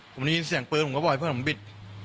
ผมได้ยินเสียงปืนผมก็บอกให้เพื่อนผมบิด